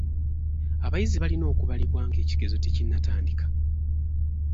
Abayizi balina okubalibwa ng'ekigezo tekinnatandika.